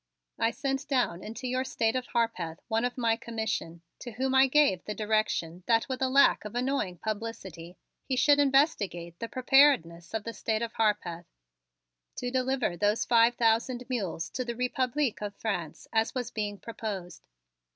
"I sent down into your State of Harpeth one of my Commission, to whom I gave the direction that with a lack of annoying publicity he should investigate the preparedness of the State of Harpeth to deliver those five thousand of mules to the Republique of France as was being proposed.